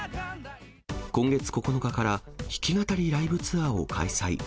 今月９日から弾き語りライブツアーを開催。